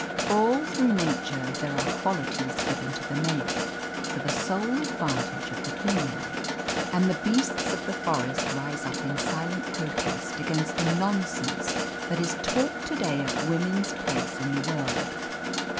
For all through Nature there are qualities given to the male for the sole advantage of the female, and the beasts of the forest rise up in silent protest against the nonsense that is talked to day of woman's place in the world.